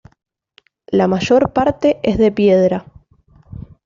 La mayor parte es de piedra.